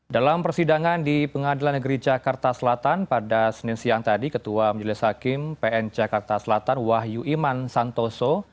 dalam persidangan di pengadilan negeri jakarta selatan pada senin siang tadi ketua majelis hakim pn jakarta selatan wahyu iman santoso